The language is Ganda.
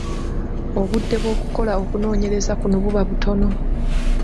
Obudde bw’okukola okunoonyereza kuno buba butono.